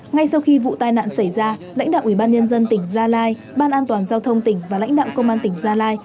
ngay sau khi vụ tai nạn xảy ra lãnh đạo ubnd tỉnh gia lai ban an toàn giao thông tỉnh và lãnh đạo công an tỉnh gia lai